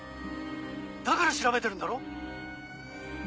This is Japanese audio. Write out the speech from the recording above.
だから調べてるんだろ？